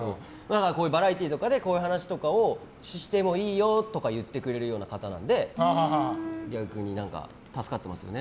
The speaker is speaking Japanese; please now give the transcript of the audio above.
バラエティーとかでこういう話をしてもいいよとか言ってくれるような方なので逆に助かっていますね。